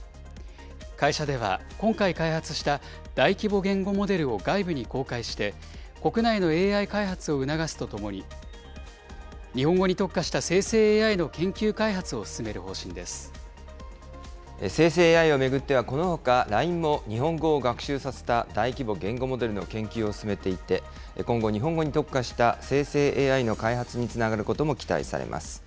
会社では今回開発した大規模言語モデルを外部に公開して、国内のＡＩ開発を促すとともに、日本語に特化した生成ＡＩの研究開発を生成ＡＩを巡っては、このほかＬＩＮＥも日本語を学習させた大規模言語モデルの研究を進めていて、今後、日本語に特化した生成ＡＩの開発につながることも期待されます。